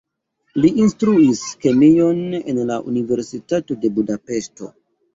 Li instruis kemion en la universitato de Budapeŝto.